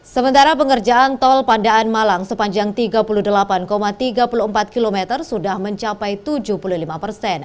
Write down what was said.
sementara pengerjaan tol pandaan malang sepanjang tiga puluh delapan tiga puluh empat km sudah mencapai tujuh puluh lima persen